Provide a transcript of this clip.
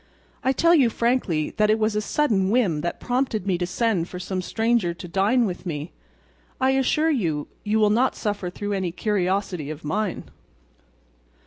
"I tell you frankly that it was a sudden whim that prompted me to send for some stranger to dine with me. I assure you you will not suffer through any curiosity of mine."